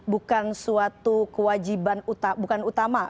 bukan suatu kewajiban bukan utama